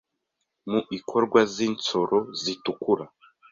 mu ikorwa z’insoro zitukura,